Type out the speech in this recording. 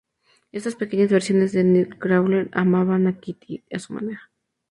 Estas pequeñas versiones de Nightcrawler amaban a Kitty, a su manera.